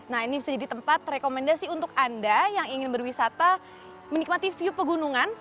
nah ini bisa jadi tempat rekomendasi untuk anda yang ingin berwisata menikmati view pegunungan